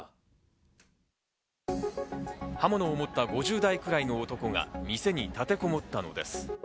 刃物を持った５０代くらいの男が店に立てこもったのです。